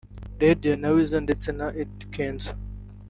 Radio & Weasel ndetse na Eddy Kenzo